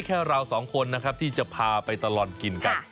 แค่เราสองคนนะครับที่จะพาไปตลอดกินกัน